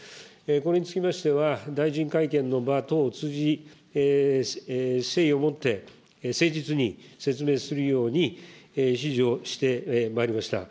これにつきましては、大臣会見の場等を通じ、誠意を持って、誠実に説明するように指示をしてまいりました。